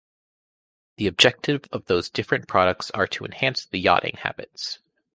The objective of those different products are to enhance the yachting habits.